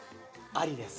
ありです。